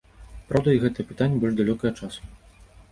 Праўда, і гэта пытанне больш далёкага часу.